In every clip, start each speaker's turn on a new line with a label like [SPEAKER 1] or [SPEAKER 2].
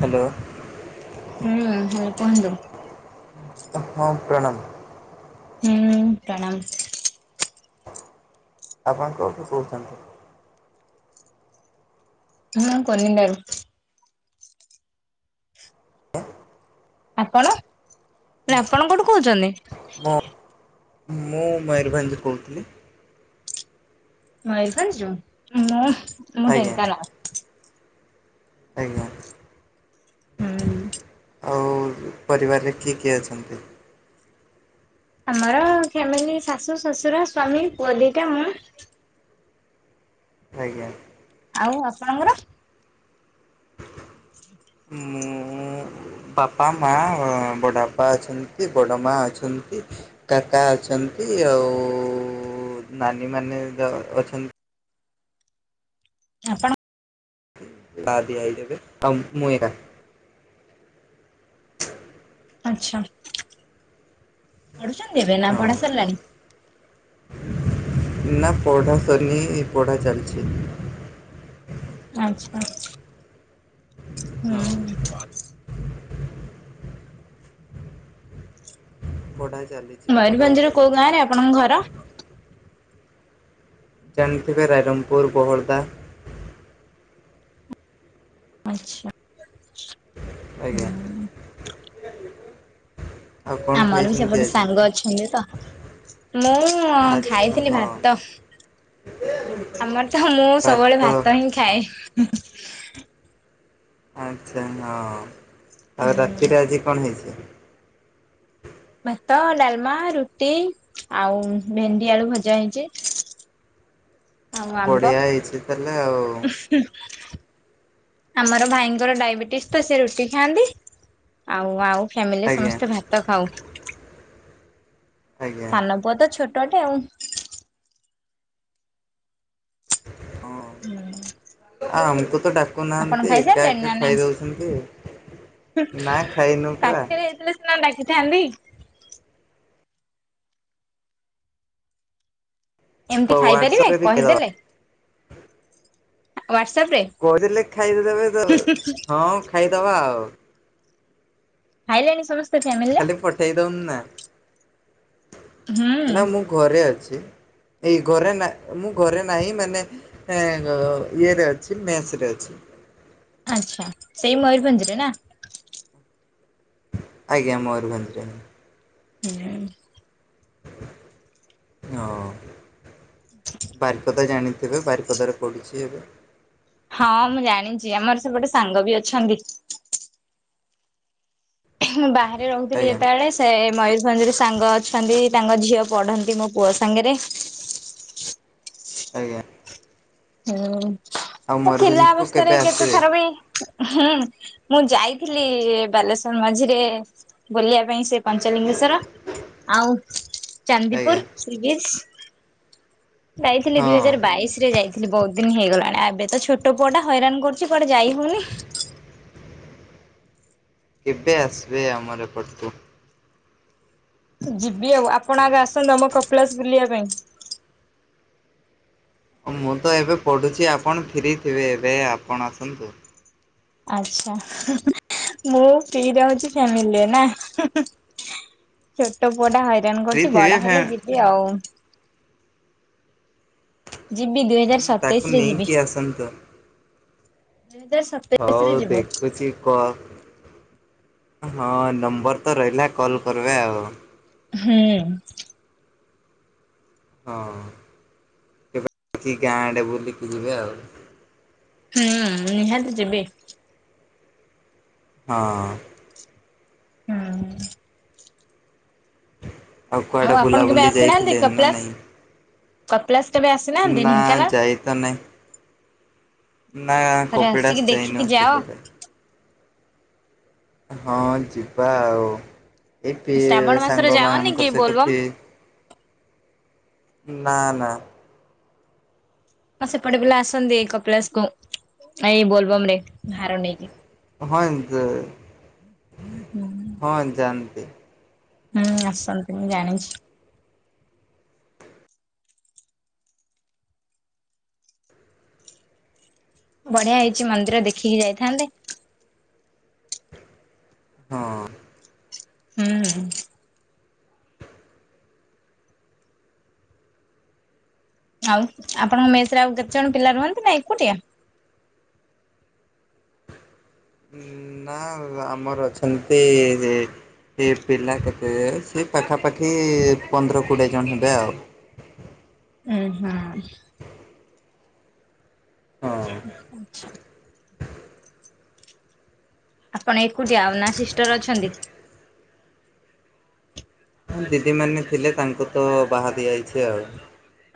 [SPEAKER 1] Hello.
[SPEAKER 2] ହୁଁ ହୁଁ କୁହନ୍ତୁ?
[SPEAKER 1] ହଁ ପ୍ରଣାମ୍।
[SPEAKER 2] ହୁଁ ପ୍ରଣାମ।
[SPEAKER 1] ଆପଣ କୋଉଠୁ କହୁଛନ୍ତି?
[SPEAKER 2] ହୁଁ କୁନିନ୍ଦା ରୁ ଆପଣ ସାର୍ ଆପଣ କୋଉଠୁ କହୁଛନ୍ତି?
[SPEAKER 1] ମୁଁ ମୁଁ ମୟୂରଭଞ୍ଜରୁ କହୁଥିଲି।
[SPEAKER 2] ମୟୂରଭଞ୍ଜରୁୁ ମୁଁ ମୁଁ
[SPEAKER 1] ଆଜ୍ଞା
[SPEAKER 2] ଢେଙ୍କାନାଳ।
[SPEAKER 1] ଆଜ୍ଞା।
[SPEAKER 2] ହୁଁ।
[SPEAKER 1] ଆଉ ପରିବାରରେ କିଏ କିଏ ଅଛନ୍ତି?
[SPEAKER 2] ଆମର ଫ୍ୟାମିଲି ଶାଶୁ ଶ୍ୱଶୁର ସ୍ୱାମୀ ପୁଅ ଦିଇଟା ମୁଁ।
[SPEAKER 1] ଆଜ୍ଞା।
[SPEAKER 2] ଆଉ ଆପଣଙ୍କର?
[SPEAKER 1] ମୁଁ ବାପା ମା ବଡ଼ ବାପା ଅଛନ୍ତି ବଡ଼ ମା ଅଛନ୍ତି। କାକା ଅଛନ୍ତି ଆଉ ନାନୀ ମାନେ ଅଛନ୍ତି।
[SPEAKER 2] ଆପଣ
[SPEAKER 1] ଲ ଦିଆ ହେଇଯବେ ଆଉ ମୁ ଏକା
[SPEAKER 2] ଆଛା ପଢୁଛନ୍ତି ଏବେ ନା
[SPEAKER 1] ହଁ
[SPEAKER 2] ପଢା ସାରିଲାଣି?
[SPEAKER 1] ନା ପଢ଼ା ଶନି ପଢ଼ା ଚାଲିଛି।
[SPEAKER 2] ଆଚ୍ଛା
[SPEAKER 1] ହଁ
[SPEAKER 2] ହୁଁ।
[SPEAKER 1] ବଢା ଚାଲିଛି। ପଢା
[SPEAKER 2] ମୟୂରଭଞ୍ଜରୁ କୋଉ ଗାଁ
[SPEAKER 1] ସରିନି
[SPEAKER 2] ରେ ଆପଣଙ୍କ ଘର?
[SPEAKER 1] ଜାଣିଥିବେ ରାଇରଙ୍ଗପୁର ବହଡ଼ଦା।
[SPEAKER 2] ଆଛା
[SPEAKER 1] ଆଜ୍ଞା
[SPEAKER 2] ହୁଁ।
[SPEAKER 1] ଆଉ କଣ
[SPEAKER 2] ଆମର ବି
[SPEAKER 1] ଖାଇଛନ୍ତି
[SPEAKER 2] ସେପଟେ
[SPEAKER 1] ଆଜି?
[SPEAKER 2] ସାଙ୍ଗ ଅଛନ୍ତି ତ ମୁଁ
[SPEAKER 1] ଆଚ୍ଛା
[SPEAKER 2] ଖାଇଥିଲି ଭା
[SPEAKER 1] ହଁ
[SPEAKER 2] ଆମର ତ ମୁଁ ସବୁବେଳେ ଭାତ ହିଁ ଖାଏ।
[SPEAKER 1] ଆଚ୍ଛା ହଁ ଆଉ
[SPEAKER 2] ହୁଁ
[SPEAKER 1] ରାତିରେ ଆଜି କଣ ହେଇଛି।
[SPEAKER 2] ଭାତ ଡାଲମା ରୁଟି ଆଉ ଭେଣ୍ଡି ଆଳୁ ଭଜା ହେଇଛି। ଆଉ ଆମ୍ବ
[SPEAKER 1] ବଢିଆ ହେଇଛି ତାହେଲେ ଆଉ।
[SPEAKER 2] [inaudible] ଆମର ଭାଇଙ୍କର ଡାଇବେଟିସ୍ ତ ସେ ରୁଟି ଖାଆନ୍ତି, ଆଉ ଆଉ ଫ୍ୟାମିଲି
[SPEAKER 1] ଆଜ୍ଞା
[SPEAKER 2] ସମସ୍ତେ ଭାତ ଖାଉ।
[SPEAKER 1] ଆଜ୍ଞା
[SPEAKER 2] ସାନ ପୁଅ ତ ଛୋଟଟେ ଆଉ।
[SPEAKER 1] ହଁ।
[SPEAKER 2] ହୁଁ।
[SPEAKER 1] ଆ ଆମକୁ ତଡାକୁ ଦଉ ନାହାନ୍ତି ଏକା
[SPEAKER 2] ଖାଇସାରିଲେଣି
[SPEAKER 1] ଏକା
[SPEAKER 2] ନା
[SPEAKER 1] ଖାଇ
[SPEAKER 2] ନାଇଁ?
[SPEAKER 1] ଦେଉଛନ୍ତି ନା ଖାଇନୁ ପରା
[SPEAKER 2] ଡକିଥାନ୍ତି ଏମିତି ଖାଇପାରିବେ
[SPEAKER 1] ହ୍ୱାଟସପରେ ବି ଖାଇଦବା
[SPEAKER 2] କହିଦେଲେ, ୱାଟସଆପ୍‌ ରେ।
[SPEAKER 1] କରିଲେ ଖାଇବା କୁ ଦେବେ ତ ହଁ ଖାଇଦବା ଆଉ।
[SPEAKER 2] ଖାଇଲାଣି ସମସ୍ତେ? ଫ୍ୟାମିଲିରେ
[SPEAKER 1] ଖାଲି ପଠେଇ ଦଉନି ନା ନା
[SPEAKER 2] ହୁଁ
[SPEAKER 1] ମୁଁ ଘରେ ଅଛି। ଏଇ ଘରେ ନା ମୁଁ ଘରେ ନାହିଁ ମାନେ ହଁ ଇଏ ରେ ଅଛି ମେସ ରେ ଅଛି।
[SPEAKER 2] ଆଚ୍ଛା ସେଇ ମୟୂରଭଞ୍ଜ ରେ ନା?
[SPEAKER 1] ଆଜ୍ଞା ମୟୂରଭଞ୍ଜ ରେ।
[SPEAKER 2] ହ [inaudible]
[SPEAKER 1] ହଁ।
[SPEAKER 2] ହ [inaudible]
[SPEAKER 1] ବାରିପଦା ଜାଣିଥିବେ ବାରିପଦାରେ ପଡ଼ୁଛି ଏବେ।
[SPEAKER 2] ହଁ ମୁଁ ଜାଣିଛି ଆମର ସେପଟେ ସାଙ୍ଗ ବି ଅଛନ୍ତି। ମୁଁ ବାହାରେ ରହୁଥିଲି
[SPEAKER 1] ଆଜ୍ଞା
[SPEAKER 2] ଯେତେବେଳେ ସେ ମୟୂରଭଞ୍ଜ ରେ ସାଙ୍ଗ ଅଛନ୍ତି ତାଙ୍କ ଝିଅ ପଢନ୍ତି ମୋ ପୁଅ ସାଙ୍ଗରେ।
[SPEAKER 1] ଆଜ୍ଞା।
[SPEAKER 2] ହୁଁ,
[SPEAKER 1] ଆଉ
[SPEAKER 2] ଥିଲା
[SPEAKER 1] ମୟୂରଭଞ୍ଜକୁ କେବେ
[SPEAKER 2] ଅବସ୍ଥାରେ କେତେ
[SPEAKER 1] ଆସିବେ
[SPEAKER 2] ଥର ବି ହୁଁ ମୁଁ ଯାଇଥିଲି ବାଲେଶ୍ଵର ମଝିରେ ବୁଲିବା ପାଇଁ ସେ ପଞ୍ଚଲିଙ୍ଗେଶ୍ଵର ଆଉ
[SPEAKER 1] ଆଜ୍ଞା
[SPEAKER 2] ଚାନ୍ଦିପୁର ସି ବିଚ୍। ଯାଇଥିଲି ଦୁଇ
[SPEAKER 1] ହଁ
[SPEAKER 2] ହଜାର ବାଇଶ ରେ ଯାଇଥିଲଥିଲେ। ଥିଲି ବହୁତ ଦିନ ହେଇଗଲାଣି ଏବେ ତ ଛୋଟ ପୁଅ ଟା ହଇରାଣ କରୁଛି କୁଆଡେ ଯାଇ ହଉନି।
[SPEAKER 1] କେବେ ଆସିବେ ଆମର ଏପଟକୁ?
[SPEAKER 2] ଯିବି ଆଉ ଆପଣ ଆଗେ ଆସନ୍ତୁ ଆମ କପଳାସ ବୁଲିବା ପାଇଁ।
[SPEAKER 1] ମୁଁ ତ ଏବେ ପଢ଼ୁଚି ଆପଣ ଫ୍ରି ଥିବେ ଏବେ ଆପଣ ଆସନ୍ତୁ।
[SPEAKER 2] ଆଚ୍ଛା ମୁଁ ଫ୍ରି ରହୁଚି ଫ୍ୟାମିଲିରେ ନା? ଛୋଟ ପୁଅ ଟା ହଇରାଣ
[SPEAKER 1] ଫ୍ରି
[SPEAKER 2] କରୁଚି
[SPEAKER 1] ଥିବେ
[SPEAKER 2] ବଡ
[SPEAKER 1] ଫେ
[SPEAKER 2] ହେଲେ ଯିବି ଆଉ। ଯିବି ଦୁଇ ହଜାର
[SPEAKER 1] ତାକୁ
[SPEAKER 2] ସତେଇଶ ରେ ଯିବି।
[SPEAKER 1] ନେଇକି ଆସନ୍ତୁ।
[SPEAKER 2] ଦୁଇ ହଜାର ସତେଇଶ ରେ
[SPEAKER 1] ହଉ
[SPEAKER 2] ଯିବ।
[SPEAKER 1] ଦେଖୁଚି କ ହଁ ନମ୍ବର ତ ରହିଲା କଲ୍ କରିବେ ଆଉ।
[SPEAKER 2] ହୁଁ।
[SPEAKER 1] ହଁ। ଏଠି ଗାଁ ଆଡେ ବୁଲିକି ଯିବେ ଆଉ।
[SPEAKER 2] ହୁଁ ନିହାତି ଯିବି।
[SPEAKER 1] ହଁ।
[SPEAKER 2] ହୁଁ।
[SPEAKER 1] ଆଉ କୁଆଡେ
[SPEAKER 2] ଆପଣ କେବେ
[SPEAKER 1] ବୁଲାବୁଲି
[SPEAKER 2] ଆସିନାହାନ୍ତି
[SPEAKER 1] ଯାଇଥିଲେ ନା
[SPEAKER 2] କପିଳାସ?
[SPEAKER 1] ନାଇଁ?
[SPEAKER 2] କପିଳାସ କେବେ ଆସିବେ?
[SPEAKER 1] ନା ଯାଇ ତ ନାହିଁ। ନା
[SPEAKER 2] ଥରେ ଆସିକି
[SPEAKER 1] କପିଳାସ
[SPEAKER 2] ଦେଖିକି
[SPEAKER 1] ଯାଇନୁ
[SPEAKER 2] ଯାଅ।
[SPEAKER 1] ସେପଟେ। ହଁ ଯିବା ଆଉ ଏ ପି
[SPEAKER 2] ଶ୍ରାବଣ ମାସରେ
[SPEAKER 1] ସାଙ୍ଗ
[SPEAKER 2] ଯାଅନି କି
[SPEAKER 1] ମାନଙ୍କର ସହିତ
[SPEAKER 2] ବୋଲବମ୍
[SPEAKER 1] ପି ନା ନା।
[SPEAKER 2] ହଁ ସେପଟ ପିଲା ଆସନ୍ତି ଏଇ କପିଳାସ କୁ ଏଇ ବୋଲବମ ରେ ଭାର ନେଇକି।
[SPEAKER 1] ହଁ ଦ ହଁ ଜାଆନ୍ତି।
[SPEAKER 2] ହୁଁ ଆସନ୍ତି ମୁଁ ଜାଣିଛି। ବଢିଆ ହେଇଛି ମନ୍ଦିର ଦେଖିକି ଯାଇଥାନ୍ତେ।
[SPEAKER 1] ହଁ।
[SPEAKER 2] ହୁଁ। ଆଉ ଆପଣଙ୍କ ମେସ ରେ ଆଉ କେତେଜଣ ପିଲା ରୁହନ୍ତି ନା ଏକୁଟିଆ?
[SPEAKER 1] ନା ଆମର ଅଛନ୍ତି ସେ ପିଲା କେତେ ସିଏ ପାଖାପାଖି ପନ୍ଦର କୋଡ଼ିଏ ଜଣ ହେବେ ଆଉ
[SPEAKER 2] ଉ ହୁଁ।
[SPEAKER 1] ହଁ।
[SPEAKER 2] ଆଚ୍ଛା। ଆପଣ ଏକୁଟିଆ ନା ସିଷ୍ଟର ଅଛନ୍ତି?
[SPEAKER 1] ଦିଦି ମାନେ ଥିଲେ ତାଙ୍କୁ ତ ବାହା ଦିଆଯାଇଛି ଆଉ।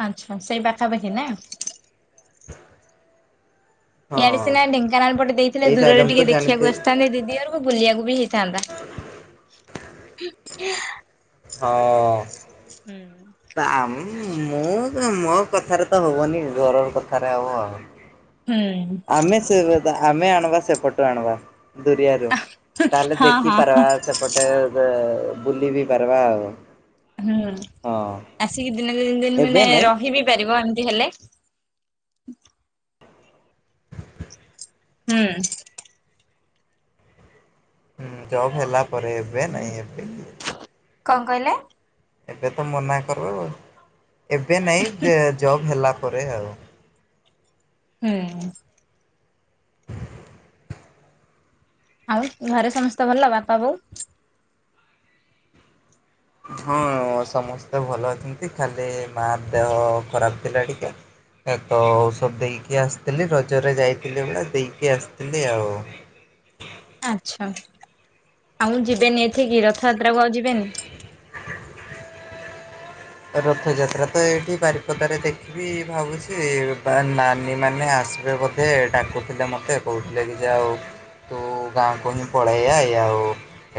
[SPEAKER 2] ଆଚ୍ଛା ସେଇ ପାଖାପାଖି ନା? ୟାଡେ
[SPEAKER 1] ହଁ।
[SPEAKER 2] ସିନା ଢେଙ୍କାନାଳ ପଟେ ଦେଇଥିଲେ
[SPEAKER 1] ଏଇଟା
[SPEAKER 2] ଦୂରରେ
[SPEAKER 1] ଆଇଟମ୍
[SPEAKER 2] ଟିକେ
[SPEAKER 1] କରି
[SPEAKER 2] ଦେଖିବାକୁ
[SPEAKER 1] ଜାଣିଥି
[SPEAKER 2] ଆସିଥାନ୍ତି ଦିଦି ଆରୁ କୁ ବୁଲିବାକୁ ବି ହେଇଥାନ୍ତା।
[SPEAKER 1] ହଁ।
[SPEAKER 2] ହୁଁ।
[SPEAKER 1] ଆ ମୁଁ ମୋ କଥାରେ ତ ହବନି ଘରର କଥାରେ ହବ ଆଉ।
[SPEAKER 2] ହୁଁ।
[SPEAKER 1] ଆମେ ସେ ଗଦା ଆମେ ଆଣିବା ସେପଟୁ ଆଣିବା। ଦୁରିଆରୁ ତାହେଲେ
[SPEAKER 2] ହଁ ହଁ
[SPEAKER 1] ଦେଖିପାରବା ସେପଟେ ବ ବୁଲି ବି ପାରବା ଆଉ
[SPEAKER 2] ହୁଁ।
[SPEAKER 1] ହଁ।
[SPEAKER 2] ଆସିକି ଦିନେ ଦି ଦିନ
[SPEAKER 1] ଏବେ
[SPEAKER 2] ମାନେ
[SPEAKER 1] ନାଇଁ
[SPEAKER 2] ରହିିବି ପାରିବ ଏମିତି ହେଲେ। ହୁଁ।
[SPEAKER 1] ହୁଁ, ଜବ୍ ହେଲା ପରେ ଏବେ ନାଇଁ ଏବେ
[SPEAKER 2] କଣ କହିଲେ?
[SPEAKER 1] ଏବେ ତ ମନା କର, ଏବେ ନାଇଁ ଯେ ଜବ୍ ହେଲା ପରେ ଆଉ।
[SPEAKER 2] ହଁ। ଆଉ ଘରେ ସମସ୍ତେ ଭଲ ବାପା ବୋଉ?
[SPEAKER 1] ହଁ ସମସ୍ତେ ଭଲ ଅଛନ୍ତି। ଖାଲି ମା ଦେହ ଖରାପ ଥିଲା ଟିକେ। ଏ ତ ଔଷଧ ଦେଇକି ଆସିଥିଲି, ରଜରେ ଯାଇଥିଲି ବେଳେ ଦେଇକି ଆସିଥିଲି ଆଉ।
[SPEAKER 2] ଆଚ୍ଛା, ଆଉ ଯିବେନି ଏଠକିି ରଥଯାତ୍ରା କୁ ଆଉ ଯିବେନି?
[SPEAKER 1] ରଥଯାତ୍ରା ତ ଏଇଠି ବାରିପଦାରେ ଦେଖିବି ଭାବୁଛି, ବା ନାନୀ ମାନେ ଆସିବେ ବୋ ସେ ଡାକୁଥିଲେ ମୋତେ କହୁଥିଲେ କି ଯେ ଆଉ ତୁ ଗାଁକୁ ହିଁ ପଳେଇ ଆଏ ଆଉ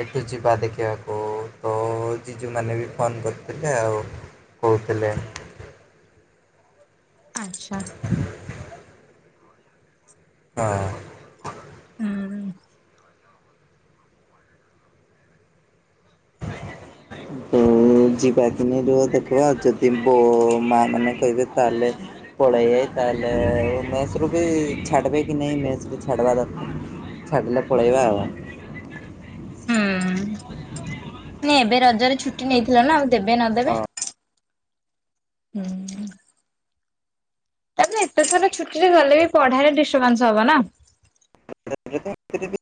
[SPEAKER 1] ଏଠୁ ଯିବା ଦେଖିବାକୁ ତ ଜିଜୁ ମାନେ ବି ଫୋନ୍ କରିଥିଲେ ଆଉ କହୁଥିଲେ।
[SPEAKER 2] ଆଚ୍ଛା।
[SPEAKER 1] [inaudible] ହଁ।
[SPEAKER 2] ହୁଁ
[SPEAKER 1] [inaudible] ତ ଯିବା କିି ନାଇ ରୁହ ଦେଖିବା ଯଦି ବୋ ମା ମାନେ କହିବେ ତାହେଲେ ପଳେଇଏ ତାହଲେ ମେସ୍ ରୁ ବି ଛାଡବେ କି ନାଇଁ ମେସ୍ ର ଛାଡ଼ବା ଯ ଛାଡ଼ିଲେ ପଳେଇବା ଆଉ।
[SPEAKER 2] ହୁଁ, [unintelligible] ଏବେ ରଜରେ ଛୁଟି ନେଇଥିଲ ନା ଆଉ ଦେବେ
[SPEAKER 1] ହଁ
[SPEAKER 2] ନଦେବେ। ହୁଁ। ତାପରେ ଏତେଥର ଛୁଟି ରେ ଗଲେ ବି ପଢାରେ ଡିଷ୍ଟର୍ବାନ୍ସ ହବ ନା।
[SPEAKER 1] [inaudible]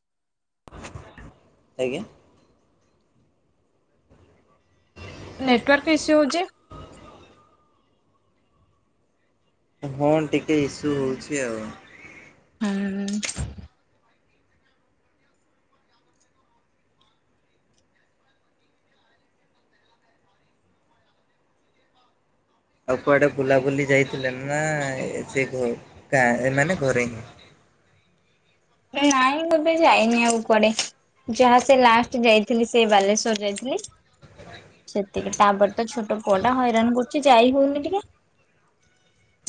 [SPEAKER 1] ଆଜ୍ଞା
[SPEAKER 2] ନେଟୱାର୍କ ଇସ୍ୟୁ ହଉଚି।
[SPEAKER 1] ହଁ ଟିକେ ଇସୁ ହଉଛି ଆଉ।
[SPEAKER 2] ହଁ ଉଁ,।
[SPEAKER 1] ଆଉ କୁଆଡେ ବୁଲାବୁଲି ଯାଇଥିଲେ ନା ସେ ଘ-ଗାଁ ଏ ମାନେ ଘରେ ହିଁ?
[SPEAKER 2] ହେ ନାଇଁ ମୁଁ ଏବେ ଯାଇନି ଆଉ କୁଆଡେ। ଯାହା ସେ ଲାଷ୍ଟ ଯାଇଥିଲି ସେ ବାଲେଶ୍ଵର ଯାଇଥିଲି। ସେତିକି, ତାପରେ ତ ଛୋଟ ପୁଅ ଟା ହଇରାଣ କରୁଛି ଯାଇ ହଉନି ଟିକେ।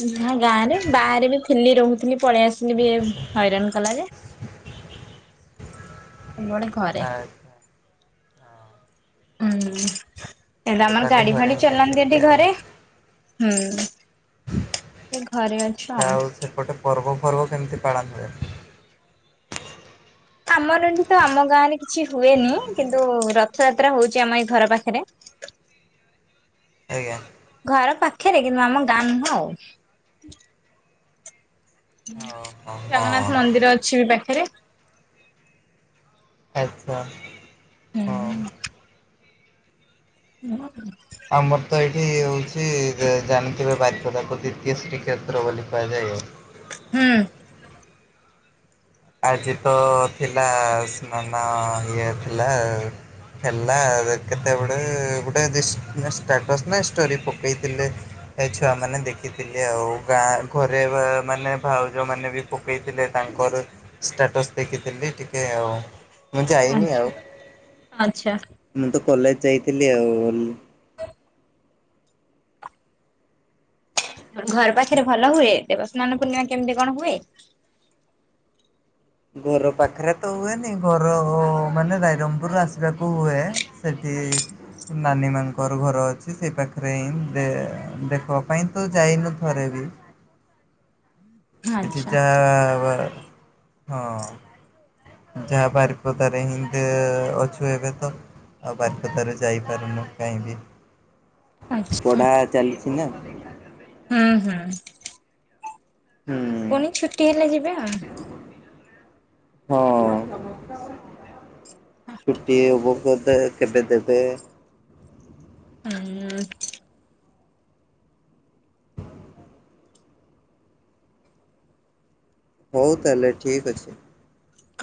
[SPEAKER 2] [unintelligible] ଗାଁ ରେ ବାହାରେ ବି ଥିଲିି ରହୁଥିଲି ପଳେଇ ଆସିଲି ବି ଏ ହଇରାଣ କଲା ଯେ। [unintelligible] ଘରେ।
[SPEAKER 1] ଆଚ୍ଛା ହଁ
[SPEAKER 2] ହୁଁ, ଏଇଟା
[SPEAKER 1] ଏବେ
[SPEAKER 2] ଆମର
[SPEAKER 1] ତାହେଲେ
[SPEAKER 2] ଗାଡି
[SPEAKER 1] ଘରେ
[SPEAKER 2] ଫାଡି
[SPEAKER 1] ହିଁ
[SPEAKER 2] ଚଲାନ୍ତି
[SPEAKER 1] ଅଛନ୍ତି
[SPEAKER 2] ଏଠି
[SPEAKER 1] ଆଉ।
[SPEAKER 2] ଘରେ। ହୁଁ, ସେ ଘରେ ଅ
[SPEAKER 1] ଆଉ ସେପଟେ ପର୍ବ ଫର୍ବ କେମିତି ପାଳନ ହୁଏ?
[SPEAKER 2] ଆମର ଏଠି ତ ଆମ ଗାଁରେ କିଛି ହୁଏନି, କିନ୍ତୁ ରଥଯାତ୍ରା ହଉଛି ଆମ ଏଇ ଘର ପାଖରେ।
[SPEAKER 1] [inaudible] ଆଜ୍ଞା।
[SPEAKER 2] ଘର ପାଖରେ କିନ୍ତୁ ଆମ ଗାଁ ନୁହଁ।
[SPEAKER 1] ଓହୋ ହଁ
[SPEAKER 2] ଜଗନ୍ନାଥ ମନ୍ଦିର ଅଛି ବି ପାଖରେ।
[SPEAKER 1] ଆଚ୍ଛା। ହଁ।
[SPEAKER 2] ହୁଁ। [inaudible]
[SPEAKER 1] ଆମର ତ ଏଇଠି ହେଉଛି ଜାଣିଥିବେ ବାରିପଦାକୁ ଦ୍ୱିତୀୟ ଶ୍ରୀକ୍ଷେତ୍ର ବୋଲି କୁହାଯାଏ ଆଉ
[SPEAKER 2] ହୁଁ।
[SPEAKER 1] ଆଜି ତ ଥିଲା ସ୍ନାନ ଇଏ ଥିଲା ଆଉ ହେଲା କେତେବେଳେ ଗୋଟେ ଷ୍ଟାଟସ୍ ନା ଷ୍ଟୋରୀ ପକେଇଥିଲେ ଏ ଛୁଆ ମାନେ ଦେଖିଥିଲେ ଆଉ ଗାଁ ଘରେ ମାନେ ଭାଉଜମାନେ ମାନେ ବି ପକେଇଥିଲେ ତାଙ୍କର ଷ୍ଟାଟସ ଦେଖିଥିଲି ଟିକେ ଆଉ ମୁଁ ଯାଇନି ଆଉ
[SPEAKER 2] ଆଚ୍ଛା
[SPEAKER 1] ମୁଁ ତ କଲେଜ ଯାଇଥିଲି ଆଉ
[SPEAKER 2] ଘର ପାଖରେ ଭଲ ହୁଏ ଦେବସ୍ନାନ ପୂର୍ଣ୍ଣିମା କେମିତି କଣ ହୁଏ?
[SPEAKER 1] ଘର ପାଖରେ ତ ହୁଏନି ଘର ମାନେ ରାଇରଙ୍ଗପୁରରୁ ଆସିବାକୁ ହୁଏ ସେଠି ନାନୀ ମାନଙ୍କର ଘର ଅଛି ସେଇ ପାଖରେ ହିଁ ଦେଖିବା ପାଇଁ ତ ଯାଇନୁ ଥରେ ବି ଏଠି
[SPEAKER 2] ଆଚ୍ଛା
[SPEAKER 1] ତା ହଁ ଯାହା ବାରିପଦାରେ ହିଁ ଅଛୁ ଏବେ ତ ଆଉ ବାରିପଦା ରୁ ଯାଇପାରୁନୁ କାହିଁକି
[SPEAKER 2] ଆଚ୍ଛା
[SPEAKER 1] ପଢା ଚାଲିଛି ନା
[SPEAKER 2] ହୁଁ ହୁଁ।
[SPEAKER 1] ହୁଁ।
[SPEAKER 2] ପୁଣି ଛୁଟି ହେଲେ ଯିବେ ଆଉ
[SPEAKER 1] ହଁ। ଛୁଟି ହେବ [unintelligible] କେବେ ଦେବେ?
[SPEAKER 2] [inaudible]
[SPEAKER 1] ହଉ ତାହେଲେ ଠିକ୍ ଅଛି।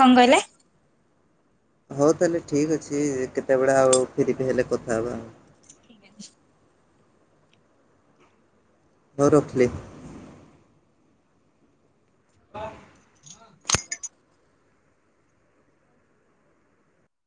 [SPEAKER 2] କଣ କହିଲେ?
[SPEAKER 1] ହଉ ତାହେଲେ ଠିକ୍ ଅଛି କେତେବେଳେ ଆଉ ଫ୍ରୀ ହେଲେ କଥା ହେବା ଆଉ
[SPEAKER 2] [inaudible]
[SPEAKER 1] ହଉ ରଖିଲି। [inaudible]